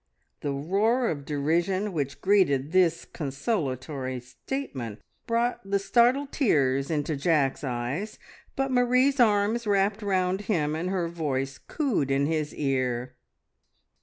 The roar of derision which greeted this consolatory statement brought the startled tears into Jack's eyes, but Marie's arms wrapped round him, and her voice cooed in his ear.